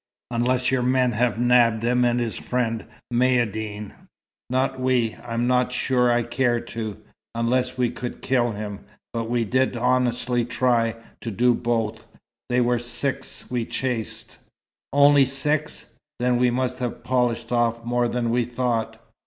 Unless your men have nabbed him and his friend Maïeddine." "Not we. I'm not sure I cared to unless we could kill him. But we did honestly try to do both. There were six we chased " "Only six. Then we must have polished off more than we thought."